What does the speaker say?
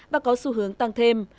và có xu hướng tăng thêm